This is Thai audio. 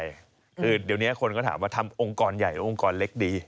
คือเดี๋ยวนี้คนก็ถามว่าทำองค์กรใหญ่หรือองค์กรเล็กดี